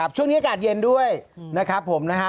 ช่วงนี้อากาศเย็นด้วยนะครับผมนะฮะ